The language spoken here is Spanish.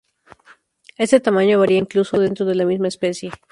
Este tamaño varía incluso dentro de la misma especie.